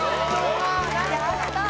やったー！